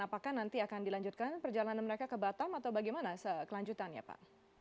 apakah nanti akan dilanjutkan perjalanan mereka ke batam atau bagaimana sekelanjutannya pak